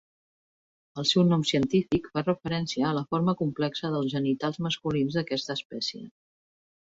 El seu nom científic fa referència a la forma complexa dels genitals masculins d'aquesta espècie.